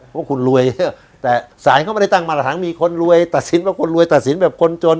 เพราะคุณรวยเยอะแต่ศาลเขาไม่ได้ตั้งมาตรฐานมีคนรวยตัดสินว่าคนรวยตัดสินแบบคนจน